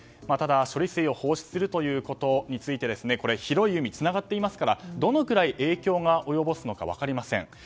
ただ、処理水を放出するということについて広い海、つながっていますからどのぐらいの影響を及ぼすのか分かりません。